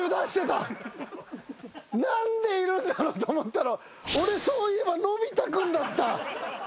何でいるんだろうと思ったら俺そういえばのび太君だった。